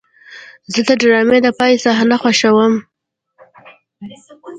زه د ډرامې د پای صحنه خوښوم.